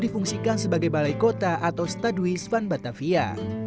difungsikan sebagai balai kota atau staduis van batavia